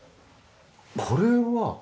これは？